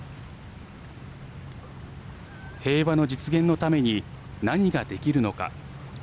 平和の実現のために何ができるのか。